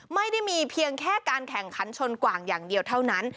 ไม่ได้มีเพียงแค่การแข่งขันชนกว่างอย่างเดียวเท่านั้น